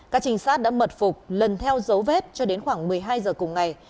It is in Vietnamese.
các trình sát đã mật phục lần theo dấu vết cho đến khoảng một mươi hai h cùng ngày